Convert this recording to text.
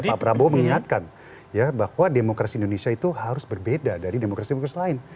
pak prabowo mengingatkan bahwa demokrasi indonesia itu harus berbeda dari demokrasi demokrasi lain